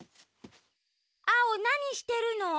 アオなにしてるの？